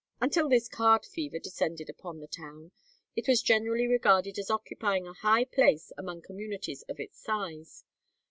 Until this card fever descended upon the town, it was generally regarded as occupying a high place among communities of its size.